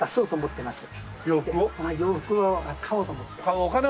洋服を買おうと思ってます。